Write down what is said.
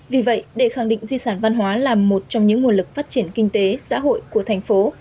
vì vậy để khẳng định di sản văn hóa là một trong những nguồn lực phát triển kinh tế xã hội của thành phố